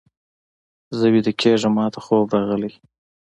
زه ویده کېږم، ماته خوب راغلی.